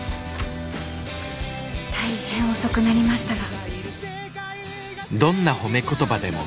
大変遅くなりましたが。